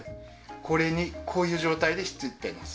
これにこういう状態でひっついています。